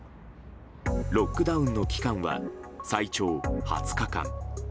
ロックダウンの期間は最長２０日間。